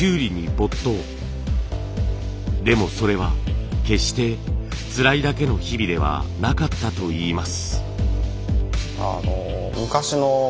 でもそれは決してつらいだけの日々ではなかったといいます。